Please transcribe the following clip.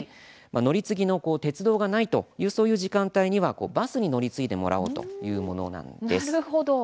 乗り継ぎの鉄道がないというそういう時間帯にはバスに乗り継いでもらおうというものなんです。